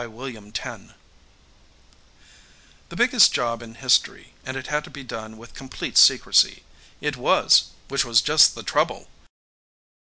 ] [Sidenote: The biggest job in history and it had to be done with complete secrecy. It was which was just the trouble!